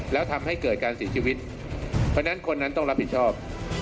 แล้วทำให้เกิดการเสียชีวิตเพราะฉะนั้นคนนั้นต้องรับผิดชอบ